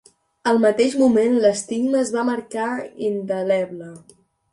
Al mateix moment l'estigma es va marcar indeleble